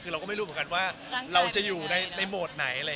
คือเรารู้ไม่มองว่าจะอยู่ในโหมดไหนมา